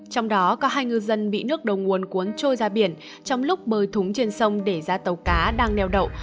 trong đó có hai người dân bị nước đồng nguồn cuốn trôi ra biển trong lúc bơi thúng trên sông để ra tàu cá đang nèo đậu